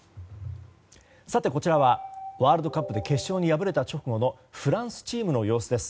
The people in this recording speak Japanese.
こちらはワールドカップで決勝に敗れた直後のフランスチームの様子です。